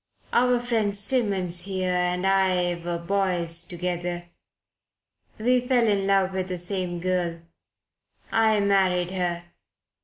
Our friend Simmons here and I were boys together. We fell in love with the same girl. I married her.